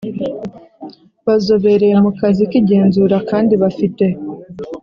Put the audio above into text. bazobereye mu kazi k igenzura kandi bafite